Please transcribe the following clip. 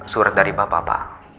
surat dari bapak bapak